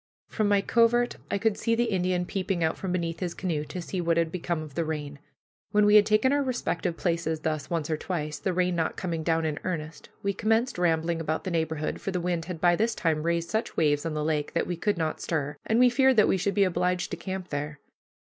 From my covert I could see the Indian peeping out from beneath his canoe to see what had become of the rain. When we had taken our respective places thus once or twice, the rain not coming down in earnest, we commenced rambling about the neighborhood, for the wind had by this time raised such waves on the lake that we could not stir, and we feared that we should be obliged to camp there.